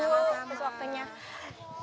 terima kasih ibu